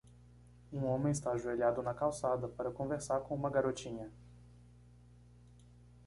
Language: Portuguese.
Um homem está ajoelhado na calçada para conversar com uma garotinha.